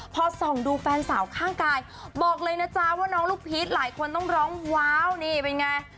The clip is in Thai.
พอส่องดูแฟนสาวข้างกายบอกเลยนะจ๊ะว่าน้องลูกพีชหลายคนต้องร้องว้าวนี่เป็นไง